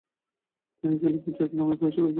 তিনি Calico Jack নামেই বেশি পরিচিত।